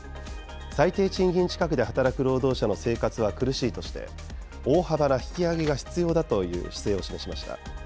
最低賃金近くで働く労働者の生活は苦しいとして、大幅な引き上げが必要だという姿勢を示しました。